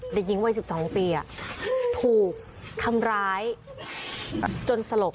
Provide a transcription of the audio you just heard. เด็กหญิงวัย๑๒ปีถูกทำร้ายจนสลบ